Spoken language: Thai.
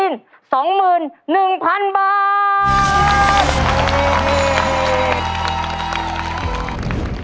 ๑ล้าน